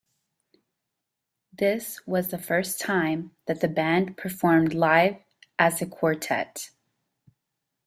This was the first time that the band performed live as a quartet.